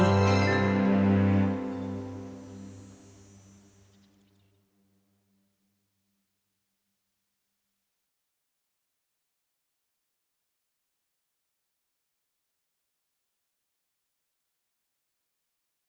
jauh lebih besar daripada yang tidak kita miliki